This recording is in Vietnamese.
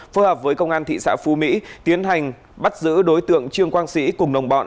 phối hợp với công an thị xã phú mỹ tiến hành bắt giữ đối tượng trương quang sĩ cùng đồng bọn